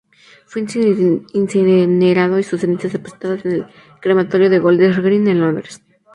Fue incinerado, y sus cenizas depositadas en el Crematorio de Golders Green en Londres.